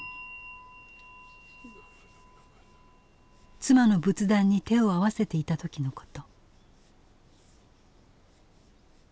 妻の仏壇に手を合わせていた時のこと。